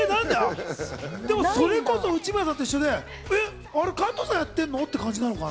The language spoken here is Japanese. それこそ内村さんと一緒で、あれ加藤さんやってんの？って感じかな。